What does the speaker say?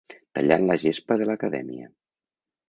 Tallant la gespa de l'Academia.